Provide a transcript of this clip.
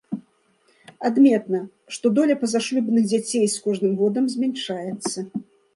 Адметна, што доля пазашлюбных дзяцей з кожным годам змяншаецца.